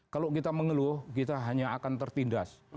kalau kita mengeluh kita hanya akan tertindas